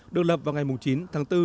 được lập vào ngày chín tháng bốn